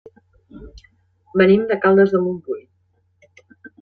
Venim de Caldes de Montbui.